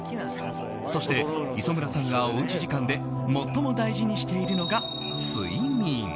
そして、磯村さんがおうち時間で最も大事にしているのが睡眠。